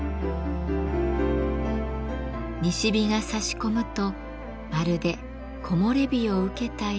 西日がさし込むとまるで木漏れ日を受けたよう。